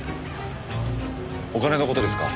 お金の事ですか？